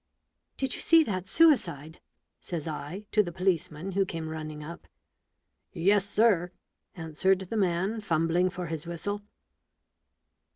"Did you see that suicide?" says I to the policeman who came running up. "Yes, sir/' answered the man, fumbling for his whistle.